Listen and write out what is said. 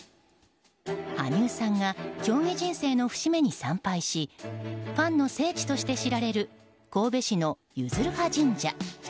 羽生さんが競技人生の節目に参拝しファンの聖地として知られる神戸市の弓弦羽神社。